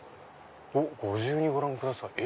「ご自由にご覧ください」。